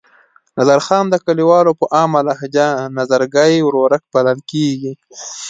نظرخان د کلیوالو په عامه لهجه نظرګي ورورک بلل کېږي.